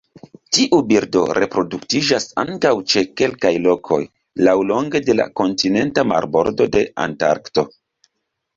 Tiu birdo reproduktiĝas ankaŭ ĉe kelkaj lokoj laŭlonge de la kontinenta marbordo de Antarkto.